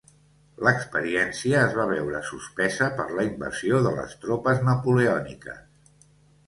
L'experiència es va veure suspesa per la invasió de les tropes napoleòniques.